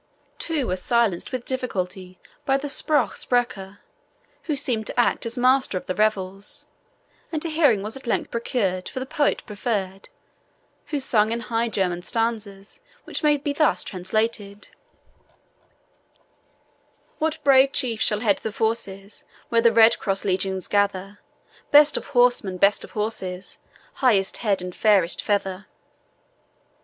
Two were silenced with difficulty by the SPRUCH SPRECHER, who seemed to act as master of the revels, and a hearing was at length procured for the poet preferred, who sung, in high German, stanzas which may be thus translated: "What brave chief shall head the forces, Where the red cross legions gather? Best of horsemen, best of horses, Highest head and fairest feather."